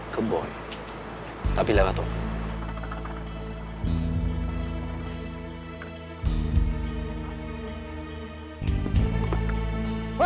kebun tapi laratok